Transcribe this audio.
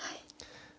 はい。